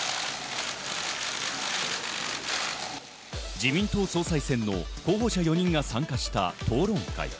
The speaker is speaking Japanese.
自民党総裁選の候補者４人が参加した討論会。